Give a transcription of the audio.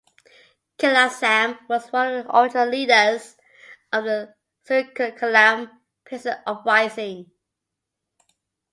Kailasam was one of the original leaders of the Srikakulam peasant uprising.